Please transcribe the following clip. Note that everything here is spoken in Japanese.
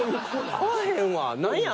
合わへんわ。何や！